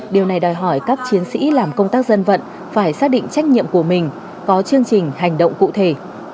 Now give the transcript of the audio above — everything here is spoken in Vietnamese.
điều này đòi hỏi các chiến sĩ làm công tác dân vận phải xác định trách nhiệm của mình có chương trình hành động cụ thể